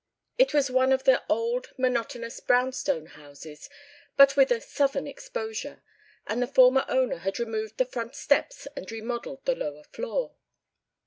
It was one of the old monotonous brownstone houses, but with a "southern exposure," and the former owner had removed the front steps and remodeled the lower floor.